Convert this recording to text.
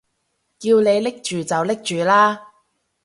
叫你拎住就拎住啦